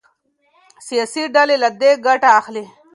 سياسي ډلې له دې ګټه اخلي.